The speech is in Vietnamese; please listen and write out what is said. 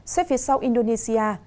xét phía sau indonesia